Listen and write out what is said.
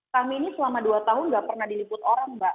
kami ini selama dua tahun nggak pernah diliput orang mbak